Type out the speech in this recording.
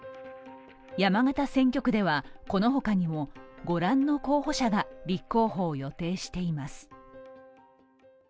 山形選挙区ではこのほかにも御覧の候補者が立候補を予定しています。